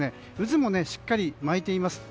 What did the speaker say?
渦もしっかり巻いています。